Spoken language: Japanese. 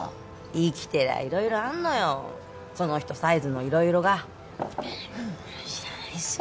生きてりゃ色々あんのよその人サイズの色々が知らないっすよ